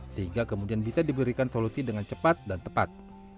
sehingga kemudian bisa diberikan solusi dengan cepat dan tepat